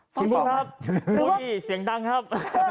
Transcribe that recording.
พี่ฟ้องครับโอ้นี่เสียงดังครับ